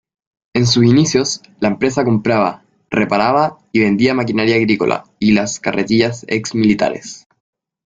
En sus inicios, la empresa compraba, reparaba y vendía maquinaria agrícola y carretillas ex-militares.